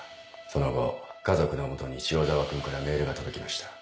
その後家族の元に塩澤君からメールが届きました。